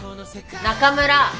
中村！